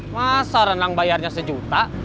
masa renang bayarnya sejuta